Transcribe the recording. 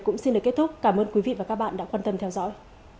cũng xin được kết thúc cảm ơn quý vị và các bạn đã quan tâm theo dõi